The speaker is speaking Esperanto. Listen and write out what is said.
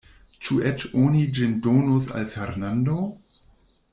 Ĉu eĉ oni ĝin donos al Fernando?